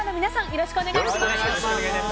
よろしくお願いします。